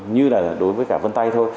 như là đối với cả vân tay thôi